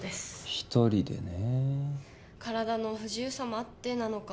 一人でねえ体の不自由さもあってなのか